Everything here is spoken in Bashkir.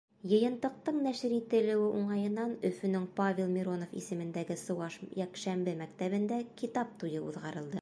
Йыйынтыҡтың нәшер ителеүе уңайынан Өфөнөң Павел Миронов исемендәге сыуаш йәкшәмбе мәктәбендә китап туйы уҙғарылды.